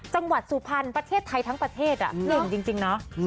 จังหวัดสุพรรณประเทศไทยทั้งประเทศอ่ะเล่นจริงเนอะ